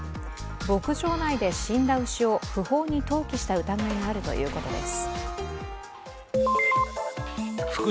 牧場内で死んだ牛を不法に投棄した疑いがあるということです。